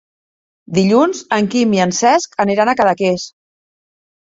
Dilluns en Quim i en Cesc aniran a Cadaqués.